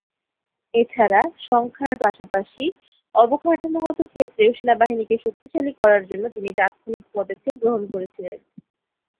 এ ছাড়া সংখ্যার পাশাপাশি অবকাঠামোগত ক্ষেত্রেও সেনাবাহিনীকে শক্তিশালী করার জন্য তিনি তাৎক্ষণিক পদক্ষেপ গ্রহণ করেছিলেন।